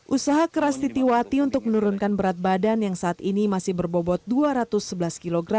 usaha keras titiwati untuk menurunkan berat badan yang saat ini masih berbobot dua ratus sebelas kg